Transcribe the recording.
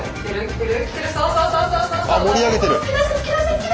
あ盛り上げてる！